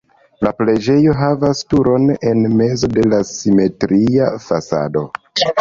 La preĝejo havas turon en mezo de la simetria fasado.